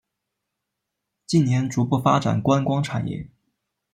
近年逐步发展观光产业。